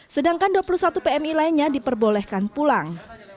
sedangkan dua puluh satu pmi lainnya diperbolehkan pulang